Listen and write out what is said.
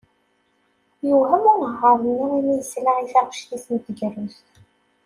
Yewhem unehhar-nni mi yesla i taɣect-is n tegrudt.